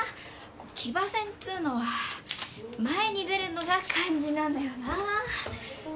騎馬戦っつうのは前に出るのが肝心なんだよな。